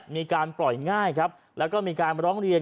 มีการปล่อยง่ายครับแล้วก็มีการร้องเรียน